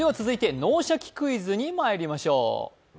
続いて「脳シャキ！クイズ」にまいりましょう。